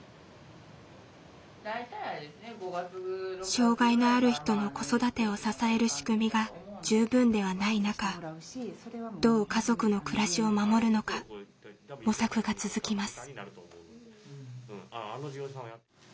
障害のある人の子育てを支える仕組みが十分ではない中どう家族の暮らしを守るのか模索が続きます。